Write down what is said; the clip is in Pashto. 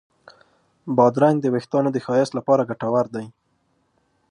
بادرنګ د وېښتانو د ښایست لپاره ګټور دی.